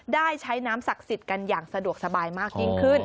ได้ใช้น้ำศักดิ์สิทธิ์กันอย่างสะดวกสบายมากยิ่งขึ้น